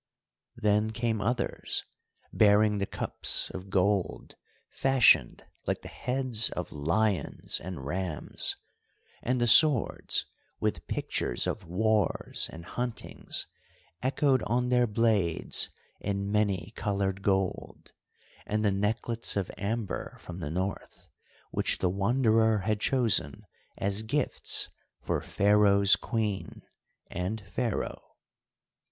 Then came others, bearing the cups of gold fashioned like the heads of lions and rams, and the swords with pictures of wars and huntings echoed on their blades in many coloured gold, and the necklets of amber from the North, which the Wanderer had chosen as gifts for Pharaoh's Queen and Pharaoh.